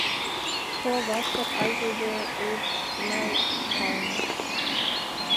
Šovasar aizlidoju uz Melnkalni.